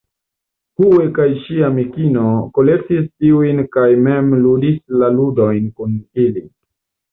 Hue kaj ŝia amikino kolektis tiujn kaj mem ludis la ludojn kun ili.